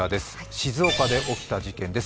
静岡で起きた事件です。